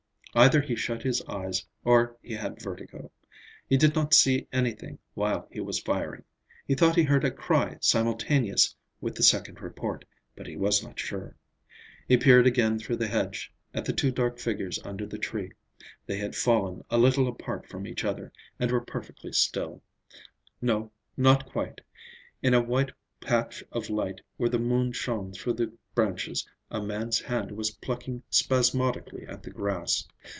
Either he shut his eyes or he had vertigo. He did not see anything while he was firing. He thought he heard a cry simultaneous with the second report, but he was not sure. He peered again through the hedge, at the two dark figures under the tree. They had fallen a little apart from each other, and were perfectly still—No, not quite; in a white patch of light, where the moon shone through the branches, a man's hand was plucking spasmodically at the grass.